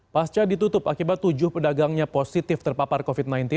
pasca ditutup akibat tujuh pedagangnya positif terpapar covid sembilan belas